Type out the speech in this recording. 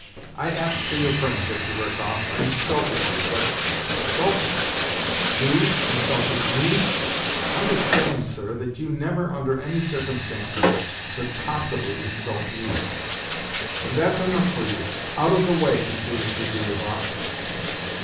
" I ask for your friendship, Zverkov ; I insulted you, but. ..."" Insulted ? You insulted me ? Understand, sir, that you never, under any circumstances, could possibly insult me" " And that's enough for you. Out of the way !" concluded Trudolyubov.